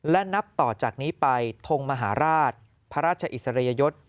และนับต่อจากนี้ไปทงมหาราชพระราชอิสริยยศ